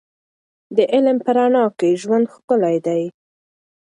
د علم په رڼا کې ژوند ښکلی دی.